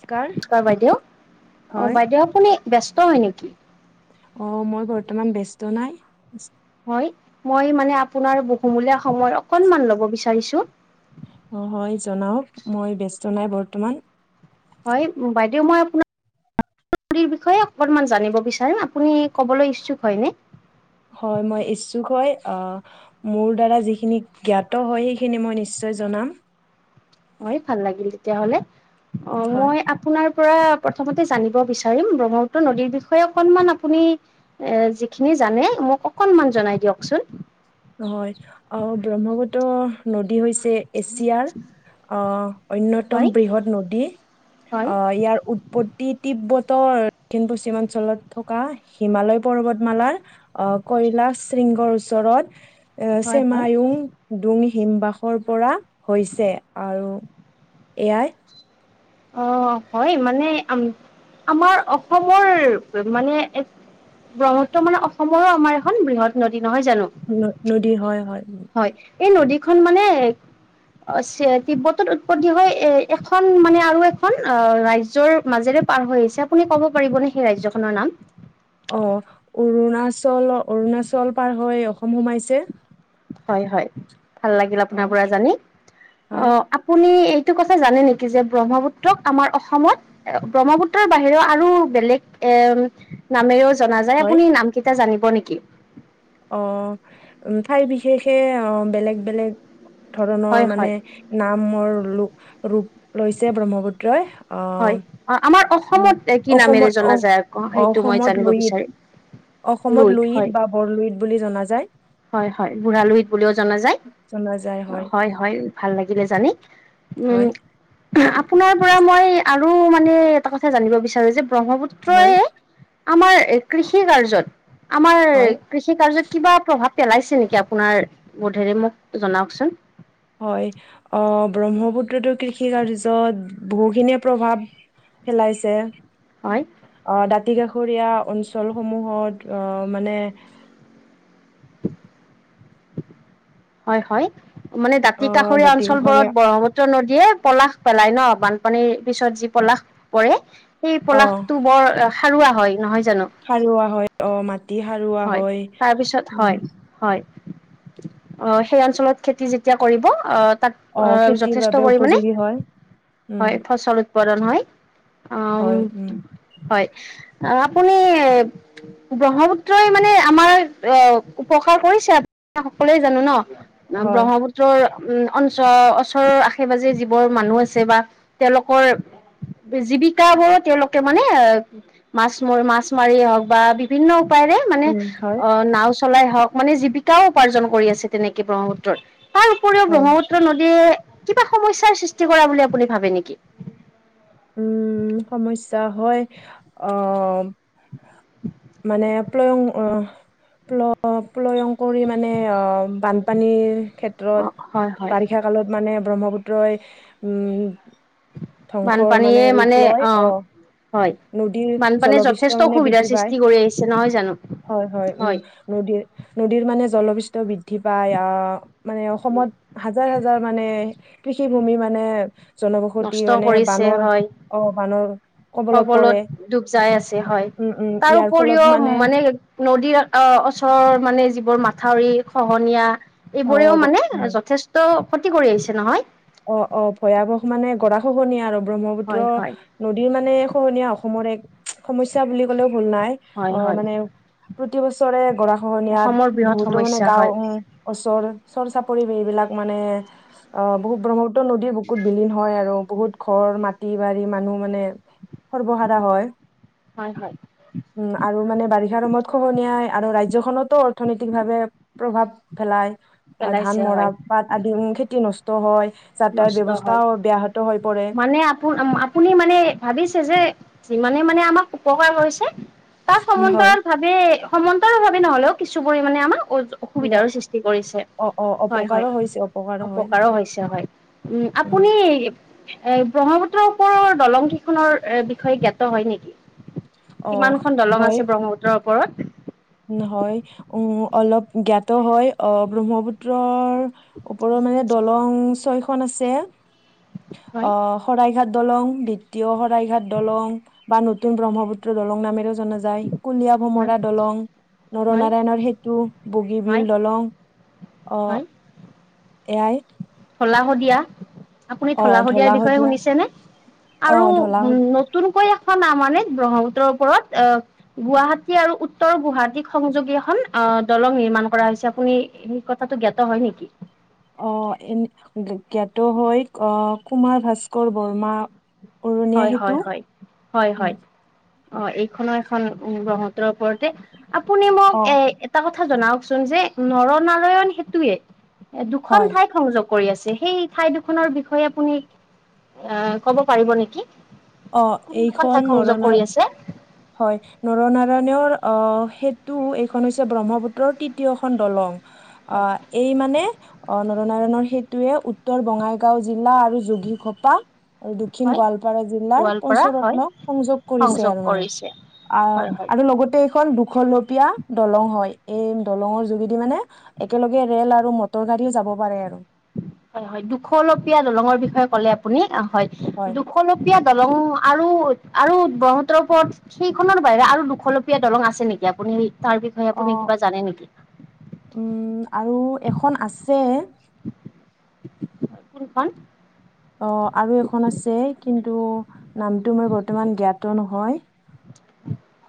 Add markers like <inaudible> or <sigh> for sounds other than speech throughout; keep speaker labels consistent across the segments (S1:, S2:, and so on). S1: নমস্কাৰ।
S2: হঁয় বাইদেউ অ'
S1: হয়,
S2: বাইদেউ আপুনি ব্যস্ত হয়ঁ নেকি?
S1: অঁ মই বৰ্তমান ব্যস্ত নাই।
S2: হয়ঁ মই মানে আপোনাৰ বহুমূলীয়া সময় অকনমান ল'ব বিচাৰিছোঁ।
S1: অঁ হঁয় জনাওক মই ব্যস্ত নাই বৰ্তমান।
S2: হয়ঁ বাইদেউ মই আপোনাৰ- বিষয়ে অকনমান জানিব বিচাৰো। আপুনি কবলৈ ইচ্ছুক হয়নে?
S1: হয়ঁ মই ইচ্ছুক হয়ঁ অঁ- মোৰ দ্বাৰা যিখিনি জ্ঞাত হয় সেইখিনি মই নিশ্চয় জনাম।
S2: হয়ঁ ভাল লাগিল তেতিয়া হ'লে।
S1: হয়।
S2: মই আপোনাৰ পৰা- প্ৰথমতে জানিব বিচাৰিম ব্ৰহ্মপুত্ৰ নদীৰ বিষয়ে অকনমান আপুনি- এ যিখিনি জানে মোক অকনমান জনাই দিয়কচোন।
S1: হয়ঁ ব্ৰহ্মপুত্ৰ নদী হৈছে- যে এছিয়াৰ অ
S2: হয়
S1: অন্যতম বৃহৎ নদী।
S2: হয়
S1: অঁ ইয়াৰ ওপৰ- উৎপত্তি তিব্বৰ দক্ষিণ পশ্চিমাঞ্চলত থকা হিমালয় পৰ্বতমালাৰ- আহ কৈলাশ সৃংগৰ ওচৰত
S2: হয় হয়
S1: ছেমায়ুং- ডুং হিমবাসৰ পৰা হৈছে আৰু এয়াই-
S2: অঁ হয়ঁ মানে আম আমাৰ অসমৰ মানে- ব্ৰহ্মপুত্ৰ মানে অসমৰো আমাৰ এখন বৃহৎ নদী নহয় জানো?
S1: নদী হয়ঁ হয়ঁ।
S2: হয়ঁ এই নদীখন মানে- অঁ চি তিব্বতত উৎপত্তি হয়ঁ এখন মানে আওট- আকৌ এখন ৰাজ্যৰ মাজেৰে পাৰ হৈ আহিছে, আপুনি ক'ব পাৰিবনে সেই ৰাজ্যখনৰ নাম?
S1: অঁ অৰুণাচল অৰুণাচলৰ পাৰ হৈ অসম সোমাইছে।
S2: হঁয় হয়ঁ ভাল লাগিল আপোনাৰ
S1: হয়
S2: পৰা জানি
S1: হয়
S2: অঁ আপ- আপুনি এইটো কথা জানে নেকি যে ব্ৰহ্মপুত্ৰক আমাৰ অসমত- ব্ৰহ্মপুত্ৰৰ বাহিৰেও আৰু বেলেগ এম নামেৰেও জনা যায়
S1: হয়
S2: আপুনি নাম কেইটা জানিব নেকি?
S1: অ ঠাইৰ বিশেষে অ বেলেগ বেলেগ
S2: হয়
S1: ধৰণৰ
S2: হয়
S1: মানে নামৰ লুপ ৰূপ লৈছে ব্ৰহ্মপুত্ৰই অ
S2: হয় আমাৰ
S1: উম,
S2: অসমত কি নামেৰে
S1: অসমত
S2: জনা যায় আকৌ,
S1: অ,
S2: সেইটো মই
S1: অসমত
S2: জানিব
S1: লুইত
S2: বিচাৰিম।
S1: অসমত লুইত বা বৰলুইত বুলি জনা যায়।
S2: হয় হয় বুঢ়া লুইত বুলিও জনা যায়।
S1: জনা যায়
S2: হয় হয় ভাল লাগিলে জানি। উম
S1: হয়
S2: আপোনাৰ পৰা মই আৰু মানে এটা কথা জানিব বিচাৰো যে ব্ৰহ্মপুত্ৰ
S1: হয়।
S2: আমাৰ কৃষি কাৰ্যত, আমাৰ
S1: হয়
S2: কৃষি কাৰ্যত কিবা প্ৰভাৱ পেলাইছে নেকি আপোনাৰ বোধেৰে মোক জনাওকচোন।
S1: হয়, ব্ৰহ্মপুত্ৰতো কৃষি কাৰ্যত বহুখিনিয়ে প্ৰভাৱ পেলাইছে।
S2: হয়।
S1: অ দাঁতি কাষৰীয়া অঞ্চলসমূহত অ মানে
S2: <inaudible> হয় হয়, মানে দাঁতি
S1: আহ
S2: কাষৰীয়া
S1: দাঁতি
S2: অঞ্চল বোৰত
S1: কাষৰীয়া
S2: ব্ৰহ্মপুত্ৰ নদীয়ে পলাশ পেলায় ন, বানপানীৰ পিছত যি পলাশ পৰে, সেই
S1: অ
S2: পলাশটো বৰ সাৰুৱা হয়, নহয় জানো?
S1: সাৰুৱা হয় অ মাটি সাৰুৱা হয়।
S2: তাৰপিছত
S1: উম।
S2: হয় হয়। অ সেই অঞ্চলত খেতি যেতিয়া কৰিব তাত অ
S1: খেতিৰ
S2: যথেষ্ট
S1: বাবে
S2: পৰিমণে
S1: উপযোগী হয় উম
S2: হয় ফচল উৎপাদন হয়। আ
S1: হয় উম
S2: হয় আপুনি ব্ৰহ্মপুত্ৰই মানে আমাৰ অ উপকাৰ কৰিছে সকলোৱে জানো ন।
S1: হয়
S2: ব্ৰহ্মপুত্ৰ ৰ উম অঞ্চ ওচৰৰ আশে-পাজে যিবোৰ মানুহ আছে বা তেওঁলোকৰ জীৱিকবোৰ তেওঁলোকে মানে মাছ ম-মাৰিয়ে হওঁক বা বিভিন্ন উপায়ৰে মানে
S1: উম হয়
S2: অ নাও চলাই হওঁক মানে জীৱিকাও উপাৰ্জন কৰি আছে তেনেকে ব্ৰহ্মপুত্ৰৰ। তাৰ উপৰিও
S1: হয়
S2: ব্ৰহ্মপুত্ৰ নদীয়ে কিবা সমস্যাৰ সৃষ্টি কৰা বুলি আপুনি ভাবে নেকি?
S1: উম সমস্যা হয়, আহ মানে প্লয়ং অ পল-পলয়ং কৰি মানে অ বানপানীৰ ক্ষেত
S2: অ হয়
S1: অত
S2: হয়
S1: বাৰিষা কালত মানে ব্ৰহ্মপুত্ৰই উম ধ্বংসৰ
S2: বানপানীয়ে
S1: ৰূপ
S2: মানে
S1: লয়
S2: অ'। হয়,
S1: নদীৰ
S2: বানপানীয়ে
S1: জলপৃষ্ঠ
S2: যথেষ্ট অসুবিধাৰ সৃষ্টি কৰি আহিছে নহয় জানো?
S1: হয়-হয় উম,
S2: হয়
S1: নদীৰ নদীৰ মানে জলবিৃষ্ট বৃদ্ধি পায়, আহ মানে অসমত হাজাৰ হাজাৰ মানে কৃষিভূমি মানে জনবসতি
S2: নষ্ট
S1: মানে
S2: কৰিছে
S1: বানৰ
S2: হয়
S1: অ বানৰ কবলত পৰে
S2: ডুব যাই আছে হয়।
S1: উম-উম
S2: তাৰ
S1: ইয়াৰ
S2: উপৰিও মানে নদীৰ ওচৰৰ মানে যিবোৰ মাথাউৰি খহনীয়া
S1: হয়
S2: এইবোৰেও
S1: গ-
S2: মানে
S1: উম
S2: যথেষ্ট ক্ষতি কৰি আহিছে, নহয়?
S1: অ-অ ভয়াৱহ মানে গৰা খহনীয়া আৰু
S2: হয়
S1: ব্ৰহ্মপুত্ৰ
S2: হয়
S1: নদীৰ মানে খোহনীয়া অসমৰ এক সমস্যা বুলি ক'লেও ভুল নাই,
S2: হয় হয়
S1: আহ মানে প্ৰতি বছৰে
S2: অসমৰ
S1: গৰাখহনীয়াত
S2: বৃহৎ
S1: বহুতো মানে
S2: সমস্যা
S1: গাওঁ
S2: হয়
S1: উম ওচৰ চৰ-চাপৰি এইবিলাক মানে অ', বহুত ব্ৰহ্ম পুত্ৰ নদীৰ বুকুত বিলীন হয়, আৰু বহুত ঘৰ মাটি বাৰী মানুহ মানে সৰ্বহাৰা হয়।
S2: হয়, হয়।
S1: উম, আৰু মানে বাৰিষাৰ সময়ত খহনীয়াই আৰু ৰাজ্যখনতো অৰ্থনৈতিক ভাৱে প্ৰভাৱ পেলাই আহ,
S2: পেলাইছে
S1: ধান মৰা
S2: হয়
S1: পাত আদি খেতি নষ্ট হয়। যাতায়ত
S2: নষ্ট হয়
S1: ব্যৱস্থাও অব্যাহত হৈ পৰে।
S2: মানে আপোন আপুনি মানে ভাবিছে যে, যিমানে মানে আমাক উপকাৰ হৈছে তাৰ
S1: উম, হয়।
S2: সমান্তৰাল ভাৱে মানে সমান্তৰাল ভাৱে নহ'লেও কিছু পৰিমাণে আমাৰ
S1: হেল্ল'
S2: অসুবিধাৰো সৃষ্টি কৰিছে
S1: অ অ
S2: হয়, হয়,
S1: অপকাৰো হৈছে হয়
S2: অপকাৰো হৈছে হয়। উম, আপুনি এ ব্ৰহ্মপুত্ৰৰ ওপৰৰ দলং কেইখনৰ বিষয়ে জ্ঞাত হয় নেকি?
S1: অ
S2: কিমান খন দলং
S1: হয়
S2: আছে ব্ৰহ্মপুত্ৰৰ ওপৰত?
S1: হয়, উম, অলপ জ্ঞাত হয় আহ ব্ৰহ্মপুত্ৰৰ ওপৰৰ মানে দলং ছয়খন আছে,
S2: হয়
S1: আহ শৰাইঘাট দলং দ্বিতীয় শৰাইঘাট দলং। বা নতুন ব্ৰহ্মপুত্ৰ দলং নামেৰেও জনা যায়, কলীয়া
S2: হয়
S1: ভোমৰা দলং।
S2: হয়
S1: নৰনাৰায়ণৰ সেতু, বগীবিল
S2: হয়
S1: দলং। অ',
S2: হয়
S1: এয়াই।
S2: ধলা শদিয়া আপুনি,
S1: আহ
S2: ধলা
S1: ঢলা
S2: শদিয়াৰ বিষয়ে
S1: শদিয়া
S2: শুনিছেনে আৰু
S1: আহ ঢলা
S2: উম নতুনকৈ এখন মানে ব্ৰহ্মপুত্ৰৰ ওপৰত আহ গুৱাহাটী আৰু উত্তৰ গুৱাহাটীক সংযোগী এখন আহ দলং নিৰ্মাণ কৰা হৈছে, আপুনি কথাটো জ্ঞাত হয় নেকি?
S1: আহ এনে জ্ঞাত হয়, আহ কুমাৰ ভাস্কৰ বৰ্মা উৰণীয়া
S2: হয়,
S1: সেতু
S2: হয়, হয়, হয়,
S1: উম,
S2: হয়। অ এইখনো এখন ব্ৰহ্মপুত্ৰৰ ওপৰতে আপুনি মোক
S1: অ
S2: এ এটা কথা জনাওক চোন যে নৰনাৰায়ণ সেতুয়ে এ দুখন
S1: হয়
S2: ঠাইক সংযোগ কৰি আছে সেই ঠাই দুখনৰ বিষয়ে আপুনি ক'ব পাৰিব নেকি?
S1: অ
S2: কোন দুখন
S1: এইখন
S2: ঠাইত সংযোগ
S1: নৰনাৰ
S2: কৰি আছে?
S1: হয় নৰনাৰায়ণৰ আহ সেতু এইখন হৈছে ব্ৰহ্মপুত্ৰৰ তৃতীয়খন দলং। অ এই মানে অ নৰনাৰায়ণৰ সেইটোয়ে উত্তৰ বঙাইগাঁও জিলা আৰু যোগীঘোপা আৰু দক্ষিণ
S2: হয়
S1: গোৱালপাৰা জিলাৰ
S2: গোৱালপাৰা হয়
S1: পঞ্চৰত্ন সংযোগ কৰিছে
S2: সংযোগ
S1: আৰু মানে
S2: কৰিছে
S1: আ
S2: হয় হয়
S1: আৰু লগতে এইখন দুশলপীয়া দলং হয় এই দলঙৰ যোগেদি মানে একেলগে ৰে'ল আৰু মটৰ গাড়ীও যাব পাৰে আৰু
S2: হয় হয় দুশলপীয়া দলঙৰ বিষয়ে ক'লে আপুনি অ হয় দু দুখলপীয়া দলং আৰু আৰু ব্ৰহ্মপুত্ৰৰ ওপৰত সেইখনৰ বাহিৰে আৰু দুখলপীয়া দলং আছে নেকি আপুনি তাৰ বিষয়ে
S1: অ
S2: আপুনি কিবা জানে নেকি?
S1: উম আৰু এখন আছে।
S2: কোনখন?
S1: অ আৰু এখন আছে কিন্তু নামটো মই বৰ্তমান জ্ঞাত নহয়।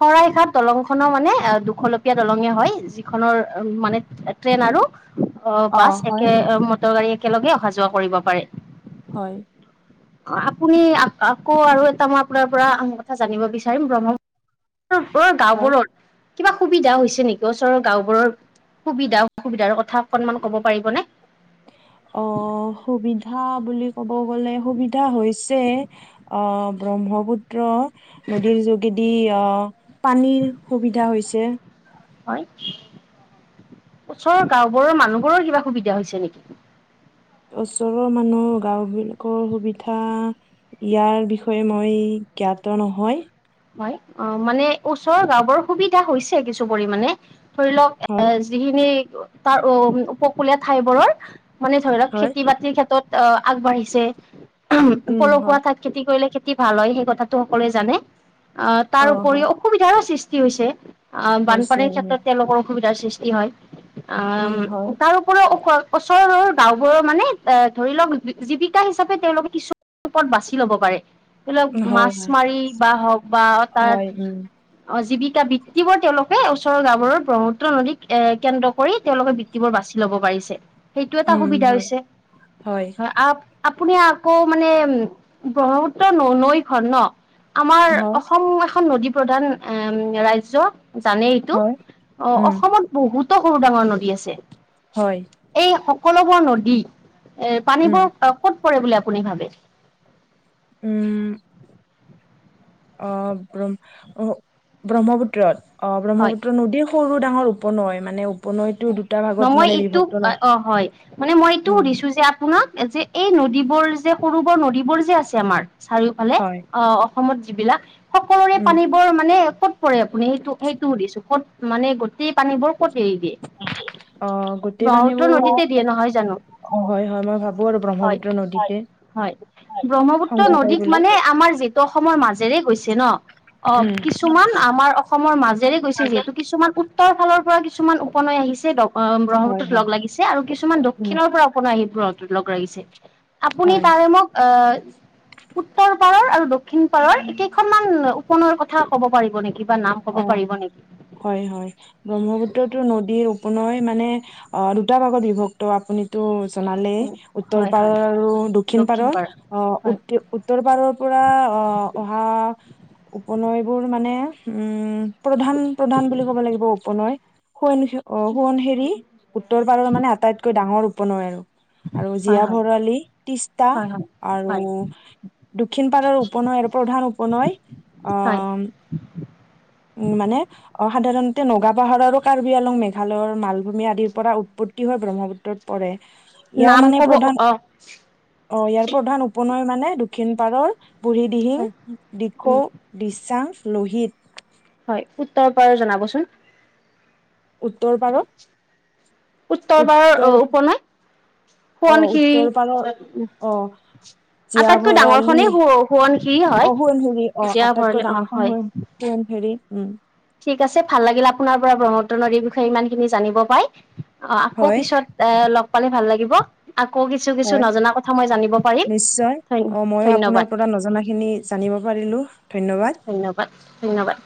S2: শৰাইঘাট দলং খনো মানে দুখলপীয়া দলঙে হয়। যিখনৰ উম মানে ট্ৰেইন আৰু অ
S1: অ
S2: বাছ
S1: হয়
S2: একে মটৰ গাড়ী একেলগে অহা যোৱা কৰিব পাৰে।
S1: হয়।
S2: আপুনি আকৌ আৰু এটা মই আপোনাৰ পৰা কথা জানিব বিচাৰিম ব্ৰহ্ম ওচৰৰ
S1: হয়
S2: গাঁওবোৰৰ কিবা সুবিধা হৈছে নেকি ওচৰৰ গাঁওবোৰৰ সুবিধা অসুবিধাৰ কথা অকনমান ক'ব পাৰিব নে?
S1: অঁহ সুবিধা বুলি ক'ব গ'লে সুবিধা হৈছে অঁ ব্ৰহ্মপুত্ৰ নদীৰ যোগেদি অঁ পানীৰ সুবিধা হৈছে
S2: হয়, ওচৰৰ গাওবোৰৰ মানুহবোৰৰ কিবা সুবিধা হৈছে নেকি?
S1: ওচৰৰ মানুহ গাও বিলাকৰ সুবিধা ইয়াৰ বিষয়ে মই জ্ঞাত নহয়।
S2: হয়, অঁ মানে ওচৰৰ গাঁওবোৰৰ সুবিধা হৈছে কিছু পৰিমানে ধৰি লওক
S1: হয়
S2: এছ যিখিনি তাৰ উ উপকূলীয়া ঠাই বোৰৰ মানে ধৰি লওক
S1: হয়
S2: খেতি বাতি কৃষি ক্ষেত্ৰত অ আগবাঢ়িছে,
S1: উম হয়
S2: পলসুৱা ঠাইত খেতি কৰিলে খেতি ভাল হয় সেই কথাটো সকলোৱে জানে। আহ
S1: অ
S2: তাৰ উপৰিও
S1: হয়
S2: অসুবিধাৰো সৃষ্টি হৈছে আহ
S1: হৈছে
S2: বানপানীৰ
S1: উম
S2: ক্ষেত্ৰত তেওঁলোকৰ অসুবিধাৰ সৃষ্টি হয়,
S1: উম
S2: আম
S1: হয়
S2: তাৰ ওপৰিও <unintelligible> ওচৰৰ গাওবোৰৰ মানে এ ধৰি লওক জীৱিকা হিচাপে তেওঁলোকে কিছু পথ বাছি ল'ব পাৰে, ধৰি লওক
S1: হয়
S2: মাছ
S1: হয়
S2: মাৰি বা হওক বা
S1: হয়
S2: তাত
S1: উম
S2: অ জীৱিকা বৃত্তিবোৰ তেওঁলোকে ওচৰৰ গাওবোৰৰ ব্ৰহ্মপুত্ৰ নদীক এ কেন্দ্ৰ কৰি তেওঁলোকে বৃত্তিবোৰ বাচি ল'ব পাৰিছে সেইটো এটা
S1: উম
S2: সুবিধা
S1: হয়
S2: হৈছে, হয় আ আপুনি আকৌ মানে উম ব্ৰহ্মপুত্ৰৰ ন নৈখন ন আমাৰ
S1: হ
S2: অসম এখন নদী প্ৰধান এ ৰাজ্য জানে এইটো,
S1: হয়
S2: অঁ
S1: উম
S2: অসমত বহুতো সৰু ডাঙৰ নদী আছে।
S1: হয়
S2: এই সকলোবোৰ নদী এৰ
S1: উম
S2: পানীবোৰ ক'ত পৰে বুলি আপুনি ভাবে?
S1: উম অঁহ ব্ৰ ব্ৰহ্মপুত্ৰত অহ
S2: হয়
S1: ব্ৰহ্মপুত্ৰ নদী সৰু ডাঙৰ উপনৈ মানে উ
S2: ন', মই এইটো অঁ' হয়, মানে মই এইটো
S1: উম
S2: সুধিছো যে আপোনাক, যে এই নদীবোৰ যে সৰু, বৰ নদীবোৰ যে আছে আমাৰ চাৰিওফালে,
S1: হয়
S2: অঁ অসমত যিবিলাক সকলোৰে
S1: উম
S2: পানী বৰ মানে ক'ত পৰে, আপুনি সেইটো সেইটোও সুধিছো, ক'ত মানে, গোটেই পানী বোৰ ক'ত এৰি দিয়ে?
S1: অহ গোটেই
S2: ব্ৰহ্মপুত্ৰ
S1: পানীবোৰ
S2: নদীতে দিয়ে নহয় জানো
S1: হয়, হয়, মই ভাবো আৰু
S2: হয়
S1: ব্ৰহ্মপুত্ৰ নদীতে।
S2: হয়, ব্ৰহ্মপুত্ৰ
S1: সংযোগ হয়
S2: নদীক
S1: বুলি
S2: মানে আমাৰ যিহেতু অসমৰ মাজেৰে গৈছে ন'। অ',
S1: উম
S2: কিছুমান আমাৰ অসমৰ মাজেৰে গৈছে যিহেতু, কিছুমান উত্তৰ ফালৰ পৰা কিছুমান উপনৈ আহিছে, অঁ
S1: হয়
S2: ব্ৰহ্মপুত্ৰত লগ
S1: হয়
S2: লাগিছে, আৰু কিছুমান
S1: উম
S2: দক্ষিণৰ পৰা উপনৈ আহি টত লগ লাগিছে, আপুনি
S1: হয়
S2: তাৰে মোক আহ উত্তৰ পাৰৰ আৰু দক্ষিণ পাৰৰ এই কেইখনমান উপ নৈৰ কথা কব পাৰিব নেকি বা নাম ক'ব
S1: অ
S2: পাৰিব নেকি?
S1: হয়, হয়, ব্ৰহ্মপুত্ৰতো নদীৰ উপনৈ মানে অ', দুটা ভাগত বিভক ত' আপুনিতো
S2: উ
S1: জনালেই, উত্তৰ
S2: হয় হয়
S1: পাৰৰ আৰু দক্ষিণ পাৰৰ অঁ',
S2: হয়
S1: উট উত্তৰ পাৰৰ পৰা অহা উপনৈবোৰ মানে উম, প্ৰধান, প্ৰধান বুলি ক'ব লাগিব উপনৈ, হুৱৈ অ', সোৱণশিৰি উত্তৰ পাৰৰ মানে, আটাইতকৈ ডাঙৰ উপনৈ আৰু। আৰু
S2: হয় হয়
S1: জীয়াভৰালি, তিষ্টা
S2: হয় হয়
S1: আৰু
S2: হয়
S1: দক্ষিণ পাৰৰ উপনৈ আৰু প্ৰধান উপনৈ
S2: হয়
S1: আহ উম, মানে সাধাৰণতে নগাপাহাৰ আৰু কাৰ্বি আলং মেঘালয়ৰ মালভূমি আদিৰ পৰা উৎপত ত্তি হৈ ব্ৰহ্মপুত্ৰত পৰে। ইয়াৰ
S2: নাম
S1: মানে
S2: ক'ব
S1: প্ৰধান,
S2: অ
S1: অ', ইয়াৰ প্ৰধান উপনৈ মানে দক্ষিণ পাৰৰ বুঢ়ীদিহিং,
S2: হয় উম
S1: দিখৌ, দিচাং, লোহিত।
S2: হয়, উত্তৰৰ পৰাৰ জনাবচোন?
S1: উত্তৰ পাৰৰ?
S2: উত্তৰ পাৰৰ উপনৈ,
S1: অ
S2: সোৱণশিৰি
S1: উত্তৰ পাৰৰ অ জীয়া
S2: আটাইতকৈ ডাঙৰ
S1: ভৰালি
S2: খনেই সোৱণশিৰ
S1: অ
S2: হয়,
S1: সোৱণশিৰি অ
S2: জীয়া
S1: আটাইতকৈ
S2: ভৰালী, অ',
S1: ডাঙৰখন
S2: হয়।
S1: সোৱণ সোৱণশিৰি উম।
S2: ঠিক আছে ভাল লাগিল আপোনাৰ পৰা ব্ৰহ্মপুত্ৰ নদীৰ বিষয়ে ইমান খিনি জানিব পাই, অ', আকৌ
S1: হয়
S2: পিছত এ, লগ পালে ভাল লাগিব। আকৌ কিছু, কিছু
S1: হয়
S2: নজনা কথা মই জানিব পাৰিম,
S1: নিশ্চয়
S2: ধন,
S1: অ ময়ো আপোনাৰ
S2: ধন্যবাদ।
S1: নজনা খিনি জানিব পাৰিলোঁ, ধন্যবাদ।
S2: ধন্যবাদ, ধন্যবাদ।